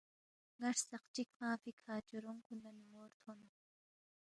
نا ژراق چک فنگفی کھا چورونگ کن نہ نیمور تھون۔